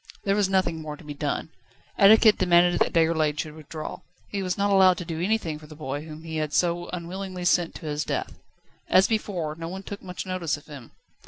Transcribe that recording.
There was nothing more to be done. Etiquette demanded that Déroulède should withdraw. He was not allowed to do anything for the boy whom he had so unwillingly sent to his death. As before, no one took much notice of him.